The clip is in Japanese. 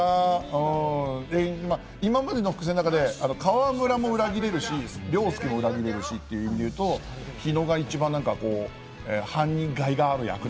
今までの伏線の中で、河村も裏切れるし、凌介も裏切れるし、っていうと日野が一番犯人がいがある。